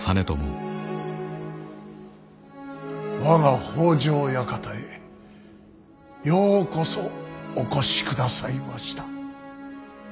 我が北条館へようこそお越しくださいました。